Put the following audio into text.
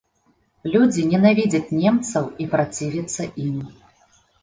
Людзі ненавідзяць немцаў і працівяцца ім.